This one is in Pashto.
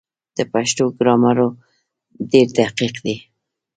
د پښتو ګرامر ډېر دقیق دی.